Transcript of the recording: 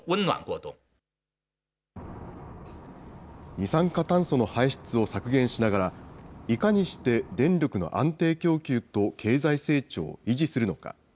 二酸化炭素の排出を削減しながら、いかにして電力の安定供給と経済成長を維持するのか。